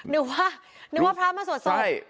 นึกว่านึกว่าพระสวดสลบ